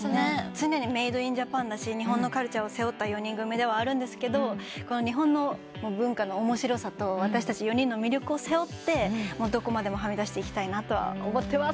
常にメード・イン・ジャパンだし日本のカルチャーを背負った４人組ではあるんですけど日本の文化の面白さと私たち４人の魅力を背負ってどこまでもはみ出していきたいと思ってます。